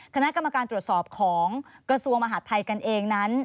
คณะกรรมการตรวจสอบของกระทรวงมหาดไทยกันเองนั้น